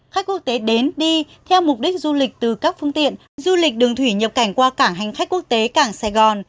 khách quốc tế đến đi theo mục đích du lịch từ các phương tiện du lịch đường thủy nhập cảnh qua cảng hành khách quốc tế cảng sài gòn